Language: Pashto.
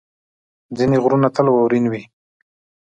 ځینې غرونه تل واورین وي.